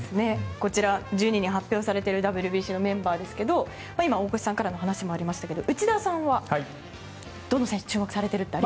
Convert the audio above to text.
こちら、１２人発表されているＷＢＣのメンバーですが今、大越さんも話がありましたが内田さんはどの選手に注目されていますか？